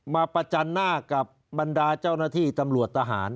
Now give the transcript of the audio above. ประจันหน้ากับบรรดาเจ้าหน้าที่ตำรวจทหาร